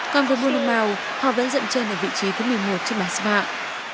còn với bonnemao họ vẫn dẫn chân ở vị trí thứ một mươi một trên bá sát